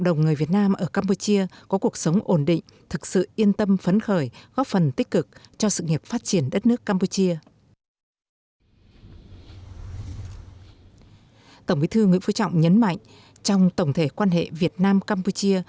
tổng bí thư nguyễn phú trọng nhấn mạnh trong tổng thể quan hệ việt nam campuchia